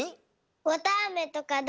わたあめとかどう？